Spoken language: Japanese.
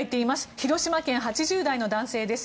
広島県、８０代の男性です。